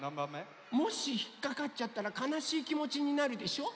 もしひっかかっちゃったらかなしいきもちになるでしょ。